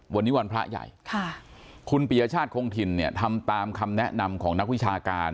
วันนี้วันพระใหญ่คุณปียชาติคงถิ่นเนี่ยทำตามคำแนะนำของนักวิชาการ